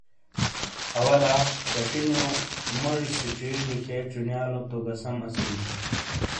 آواہ لہ ششی نیو موزی سیچی لکھے چھینیا لو تو گہ سم اسیلی۔